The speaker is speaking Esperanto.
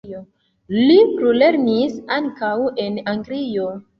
Li plulernis ankaŭ en Anglio.